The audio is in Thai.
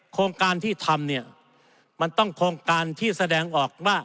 โครงการที่ทำเนี่ยมันต้องโครงการที่แสดงออกว่า